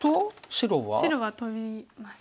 白はトビます。